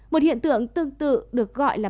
một hiện tượng tương tự được gọi là